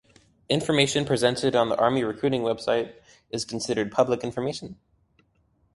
Information presented on the Army Recruiting web site is considered public information.